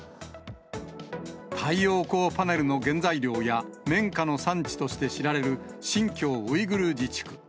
太陽光パネルの原材料や、綿花の産地として知られる新疆ウイグル自治区。